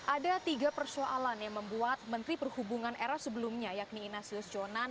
ada tiga persoalan yang membuat menteri perhubungan era sebelumnya yakni inasius jonan